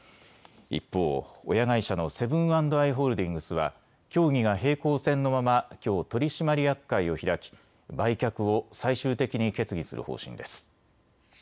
一方、親会社のセブン＆アイ・ホールディングスは協議が平行線のまま、きょう取締役会を開き、売却を最終的に決議する方針です。